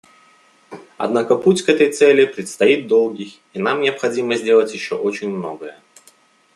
Однако путь к этой цели предстоит долгий, и нам необходимо сделать еще очень многое.